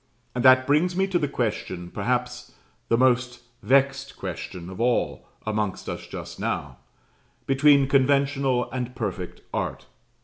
And that brings me to the question, perhaps the most vexed question of all amongst us just now, between conventional and perfect art.